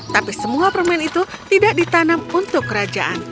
tapi semua permen itu tidak ditanam untuk kerajaan